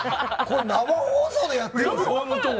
生放送でやってるんですよ？